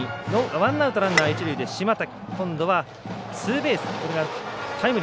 ワンアウト、ランナー、一塁で島瀧。